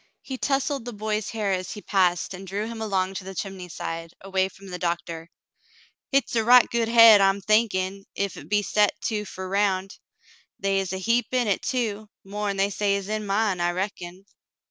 He tousled the boy's hair as he passed and drew him along to' the chimney side, away from the doctor. "Hit's a right good hade I'm thinkin' ef hit be set too fer round. They is a heap in hit, too, more'n they is in mine, I reckon."